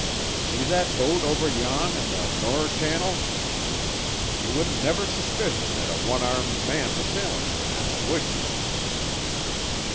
"See that boat over yon in the norrer channal? You wouldn't never suspicion that a one armed man was sailin' her now, would you?"